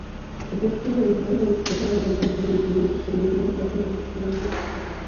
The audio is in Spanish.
Al principio, solicitó ser enfermera, pero descubrió que sus habilidades lingüísticas eran muy solicitadas.